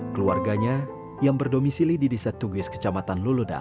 keluarganya yang berdomisili di desa tugis kecamatan luluda